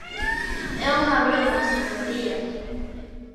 É unha broma, señoría.